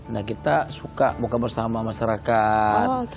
nah kita suka buka bersama masyarakat